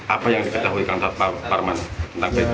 apa yang diketahui kang parman